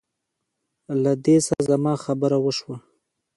له دې سره زما خبره وشوه.